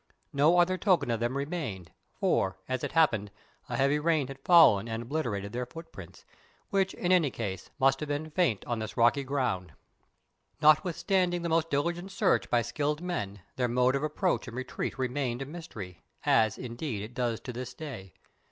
No other token of them remained, for, as it happened, a heavy rain had fallen and obliterated their footprints, which in any case must have been faint on this rocky ground. Notwithstanding the most diligent search by skilled men, their mode of approach and retreat remained a mystery, as, indeed, it does to this day.